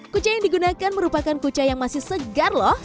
kucai yang digunakan merupakan kucai yang masih segar loh